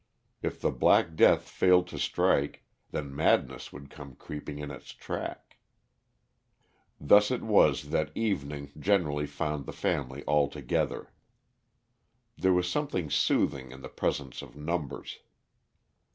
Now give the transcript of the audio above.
If the black death failed to strike, then madness would come creeping in its track. Thus it was that evening generally found the family all together. There was something soothing in the presence of numbers.